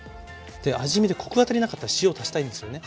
で味見でコクが足りなかったら塩足したいんですよね。